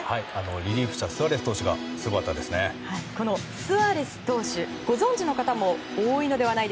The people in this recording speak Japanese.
リリーフしたスアレス投手がすごかったですね。